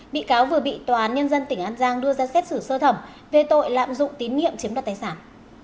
bị cáo vừa bị tòa án nhân dân tỉnh an giang đưa ra xét xử sơ thẩm về tội lạm dụng tín nhiệm chiếm đoạt tài sản